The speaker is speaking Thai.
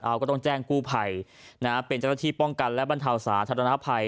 เอาก็ต้องแจ้งกู้ภัยนะฮะเป็นเจ้าหน้าที่ป้องกันและบรรเทาสาธารณภัย